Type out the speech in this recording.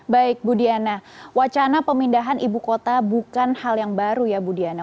baik budiana wacana pemindahan ibu kota bukan hal yang baru ya budiana